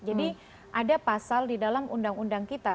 jadi ada pasal di dalam undang undang kita